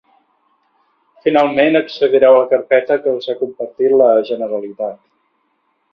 Finalment, accedireu a la carpeta que us ha compartit la Generalitat.